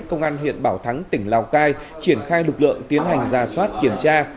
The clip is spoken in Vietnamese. công an huyện bảo thắng tỉnh lào cai triển khai lực lượng tiến hành ra soát kiểm tra